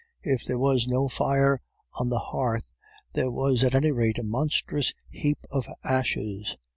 If there was no fire on the hearth, there was at any rate a monstrous heap of ashes.